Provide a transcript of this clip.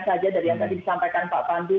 saja dari yang tadi disampaikan pak pandu